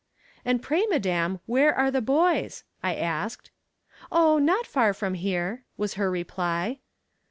"And pray, madam, where are the boys?" I asked; "Oh, not far from here," was her reply.